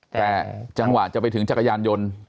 แต่จังหวะจะไปถึงจักรยานยนต์